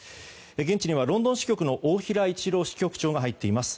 現地にはロンドン支局の大平一郎支局長が入っています。